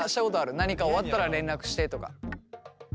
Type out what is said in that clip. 何か終わったら連絡してとか。